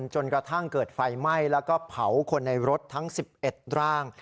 จนกระทั่งเกิดไฟไหม้แล้วก็เผาคนในรถทั้ง๑๑ร่าง